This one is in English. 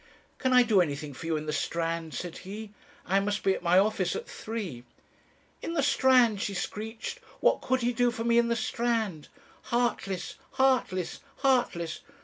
"'Can I do anything for you in the Strand?' said he. 'I must be at my office at three.' "'In the Strand!' she screeched. 'What could he do for me in the Strand? Heartless heartless heartless!